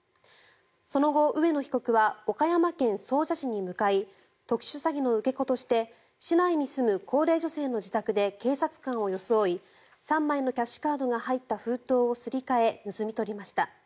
その後、上野被告は岡山県総社市に向かい特殊詐欺の受け子として市内に住む高齢女性の自宅で警察官を装い３枚のキャッシュカードが入った封筒をすり替え盗み取りました。